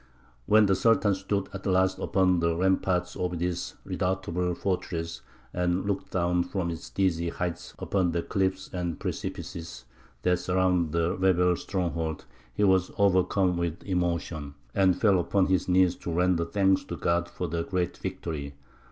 When the Sultan stood at last upon the ramparts of this redoubtable fortress, and looked down from its dizzy heights upon the cliffs and precipices that surrounded the rebel stronghold, he was overcome with emotion, and fell upon his knees to render thanks to God for the great victory.